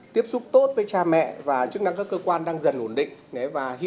tiếp xúc tốt với cha mẹ và chức năng các cơ quan đang dần ổn định